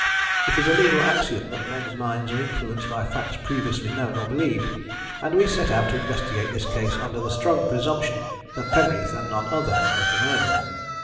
It is a legal axiom that men's minds are influenced by facts previously known or believed, and we set out to investigate this case under the strong presumption that Penreath, and none other, was the murderer.